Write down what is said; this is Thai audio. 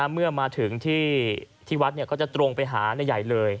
เมื่อมาถึงที่วัดก็จะตรงไปหานายใหญ่เลย